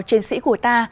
chiến sĩ của ta